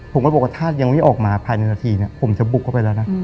ผมก็บอกว่าถ้ายังไม่ออกมาภายในนาทีเนี่ยผมจะบุกเข้าไปแล้วนะ